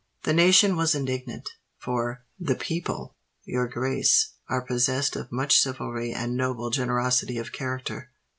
The nation was indignant—for the people, your grace, are possessed of much chivalry and noble generosity of character.